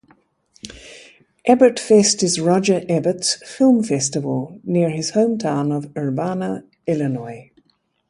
Ebertfest is Roger Ebert's film festival near his hometown of Urbana, Illinois.